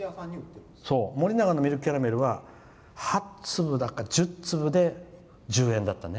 森永のミルクキャラメルは８粒だか１０粒で１０円だったね。